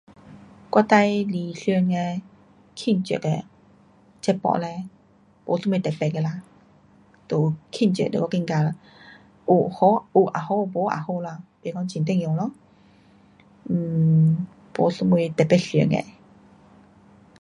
我最理想的庆祝的节目嘞，没什么特别的啦，就庆祝就有觉得有也好，没也好。没讲会重要咯，没什么特别想的。